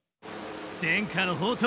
伝家の宝刀